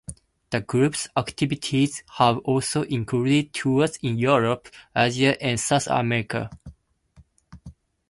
The group's activities have also included tours in Europe, Asia, and South America.